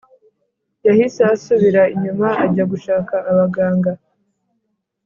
yahise asubira inyuma ajya gushaka abaganga